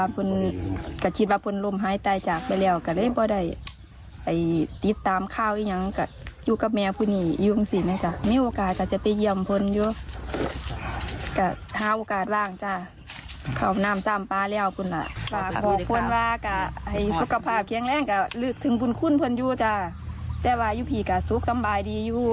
เป็นอะเอะแต่ว่าย๖๘ชื้อกสบายดี